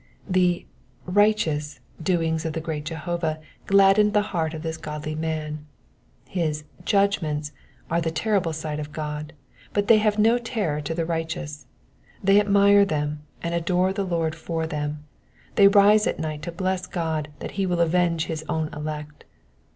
The righteous doings of the great Judge gladdened the heart of this godly man. His judgments are the terrible side of God, but tliey have no terror to the righteous ; they admire them, and adore the Lord for them : they rise at night to bless God that he will avenge his own elect.